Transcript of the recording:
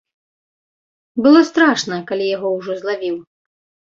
Было страшна, калі яго ўжо злавіў.